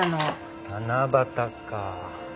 七夕か。